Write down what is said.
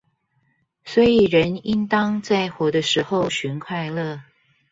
所以人應當在活的時候尋快樂